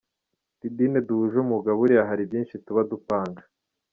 Diddyne duhuje umwuga, buriya hari byinshi tuba dupanga.